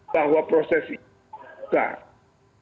bahwa proses ini